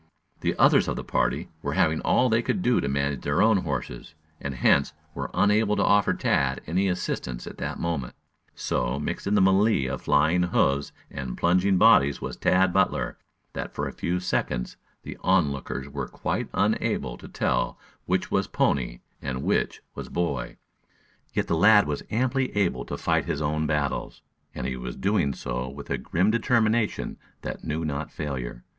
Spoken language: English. The others of the party were having all they could do to manage their own horses, and hence were unable to offer Tad any assistance at that moment. So mixed in the melee of flying hoofs and plunging bodies was Tad Butler, that for a few seconds the onlookers were quite unable to tell which was pony and which was boy. Yet the lad was amply able to fight his own battles, and he was doing so with a grim determination that knew not failure.